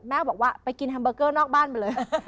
แม่จะบอกว่าไปกินฮัมเบิ้เกอร์นอกบ้านไปเลย